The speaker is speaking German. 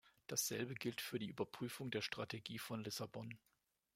Dasselbe gilt für die Überprüfung der Strategie von Lissabon.